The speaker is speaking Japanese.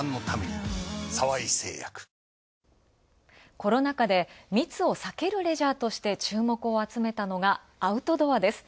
コロナ禍で密を避けるレジャーとして注目を集めたのが、アウトドアです。